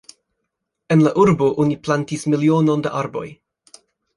En la urbo oni plantis milionon da arboj.